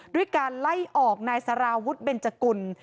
ด้วยการไล่ออกนายสารวุฒิเบนจกุล